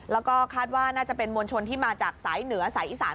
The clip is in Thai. แล้วก็คาดว่าน่าจะเป็นมวลชนที่มาจากสายเหนือสายอีสาน